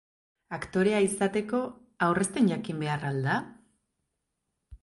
Aktorea izateko, aurrezten jakin behar al da?